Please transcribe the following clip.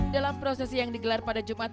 dalam prosesi yang digelar pada jumat